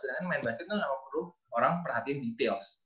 sedangkan main basketball gak perlu orang perhatiin details